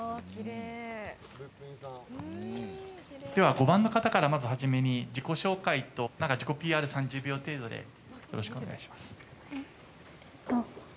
５番の方からまず初めに自己紹介と、何か自己ＰＲ、３０秒程度でお願いします。